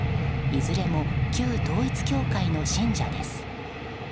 いずれも旧統一教会の信者です。